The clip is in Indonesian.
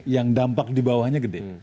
yang dampak di bawahnya gede